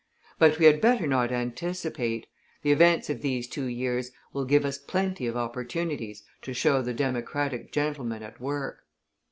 But we had better not anticipate; the events of these two years will give us plenty of opportunities to show the Democratic gentlemen at work.